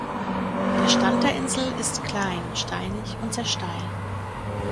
Der Stand der Insel ist klein, steinig und sehr steil.